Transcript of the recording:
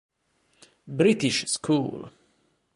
British School